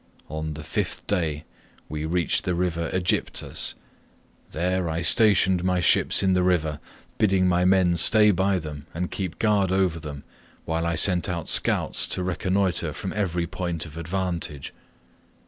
On the fifth day we reached the river Aegyptus; there I stationed my ships in the river, bidding my men stay by them and keep guard over them while I sent out scouts to reconnoitre from every point of vantage.